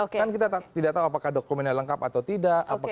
kan kita tidak tahu apakah dokumennya lengkap atau tidak